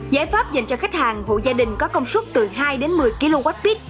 giải pháp dành cho khách hàng hộ gia đình có công suất từ hai đến một mươi kwh